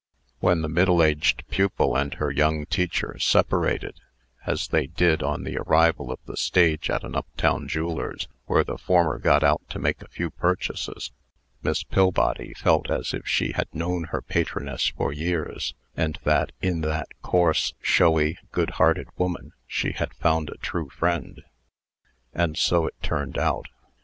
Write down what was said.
When the middle aged pupil and her young teacher separated, as they did on the arrival of the stage at an up town jeweller's, where the former got out to make a few purchases, Miss Pillbody felt as if she had known her patroness for years, and that, in that coarse, showy, good hearted woman, she had found a true friend. And so it turned out.